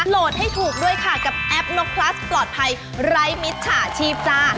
โหลดให้ถูกด้วยค่ะกับแอปนกพลัสปลอดภัยไร้มิตฉาชีพจ้า